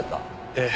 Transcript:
ええ。